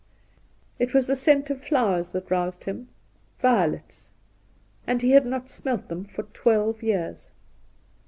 It was the scent of flowers that roused him. Violets ! And he had not smelt them for twelve years